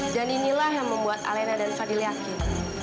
dan inilah yang membuat alena dan fadil yakin